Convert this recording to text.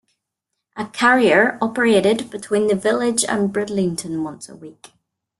A carrier operated between the village and Bridlington once a week.